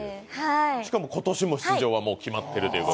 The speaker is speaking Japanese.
しかも今年も出場は決まっているという。